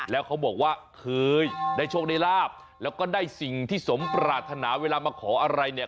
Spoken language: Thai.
แล้วเขาบอกว่าเคยได้โชคได้ลาบแล้วก็ได้สิ่งที่สมปรารถนาเวลามาขออะไรเนี่ย